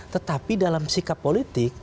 tetapi dalam sikap politik